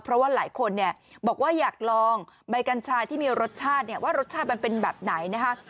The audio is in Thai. เพราะว่าหลายคนเนี่ยบอกว่าอยากลองใบกัญชาที่มีรสชาติเนี่ยว่ารสชาติมันเป็นแบบไหนนะคะ